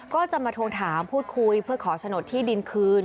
ก็จะมาทวงถามพูดคุยเพื่อขอโฉนดที่ดินคืน